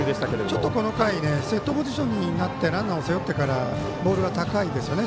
ちょっとこの回セットポジションになってランナーを背負ってからボールが高いですよね。